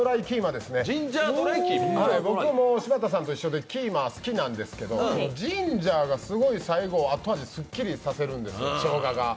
僕も柴田さんと一緒でキーマ好きなんですけど、ジンジャーがすごい最後、後味すっきりさせるんですよ、しょうがが。